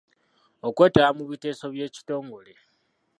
Okwetaba mu biteeso by'ekitongole.